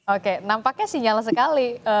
oke nampaknya sinyal sekali